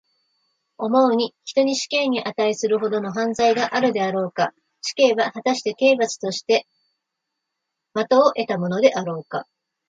思うに、人に死刑にあたいするほどの犯罪があるであろうか。死刑は、はたして刑罰として当をえたものであろうか。